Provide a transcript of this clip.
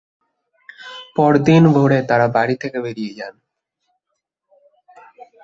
পরদিন ভোরে তারা বাড়ি থেকে বেরিয়ে যান।